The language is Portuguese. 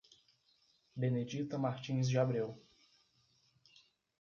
Benedita Martins de Abreu